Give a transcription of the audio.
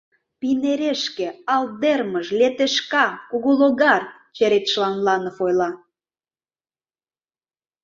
— «Пийнерешке!», «Алдермыж», «Летешка», «Кугу логар»! — черетшылан Ланов ойла.